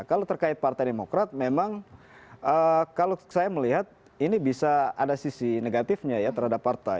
kalau terkait partai demokrat memang kalau saya melihat ini bisa ada sisi negatifnya ya terhadap partai